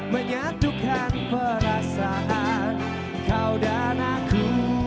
menyatukan perasaan kau dan aku